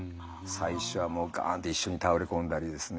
最初はガンって一緒に倒れ込んだりですね